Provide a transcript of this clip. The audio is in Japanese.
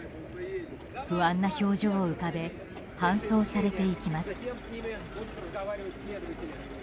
不安な表情を浮かべ搬送されていきます。